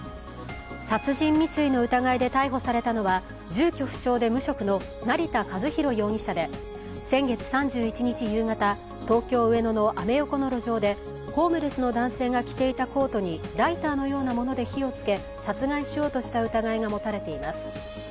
殺人未遂の疑いで逮捕されたのは住居不詳で無職の成田和弘容疑者で先月３１日夕方、東京・上野のアメ横の路上でホームレスの男性が着ていたコートにライターのようなもので火をつけ殺害しようとした疑いが持たれています。